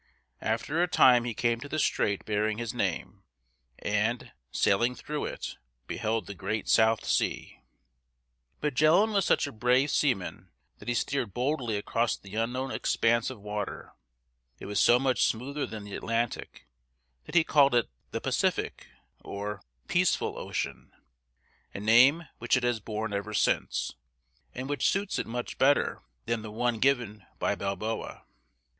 After a time he came to the strait bearing his name, and, sailing through it, beheld the Great South Sea. Magellan was such a brave seaman that he steered boldly across this unknown expanse of water. It was so much smoother than the Atlantic that he called it the Pacific, or "Peaceful" Ocean, a name which it has borne ever since, and which suits it much better than the one given by Balboa.